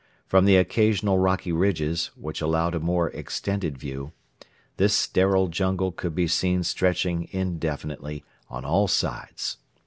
From the occasional rocky ridges, which allowed a more extended view, this sterile jungle could be seen stretching indefinitely on all sides.